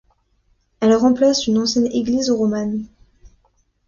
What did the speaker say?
Elle remplace une ancienne église romane.